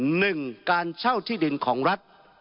หนึ่งการเช่าที่ดินของรัฐ